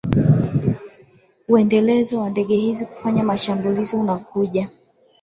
wendelezo wa ndege hizi kufanya mashambulizi unakuja